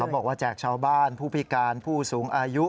บอกว่าแจกชาวบ้านผู้พิการผู้สูงอายุ